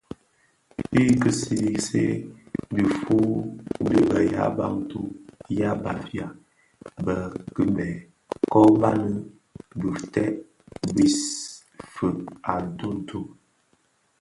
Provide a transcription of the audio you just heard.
Bi ki see see dhifuu di bè yabantu (ya Bafia) be kibèè kō bani bëftëg bis fèeg a ntonto.